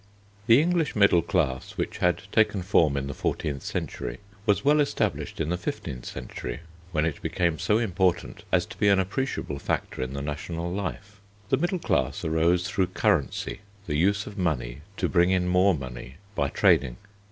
The English middle class, which had taken form in the fourteenth century, was well established in the fifteenth century, when it became so important as to be an appreciable factor in the national life. The middle class arose through currency, the use of money to bring in more money by trading.